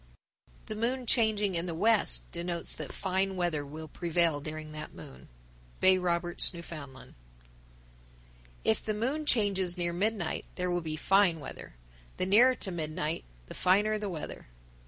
_ 993. The moon changing in the west denotes that fine weather will prevail during that moon. Bay Roberts, N.F. 994. If the moon changes near midnight there will be fine weather. The nearer to midnight, the finer the weather.